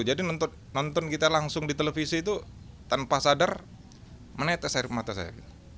jadi nonton kita langsung di televisi itu tanpa sadar menetes air mata saya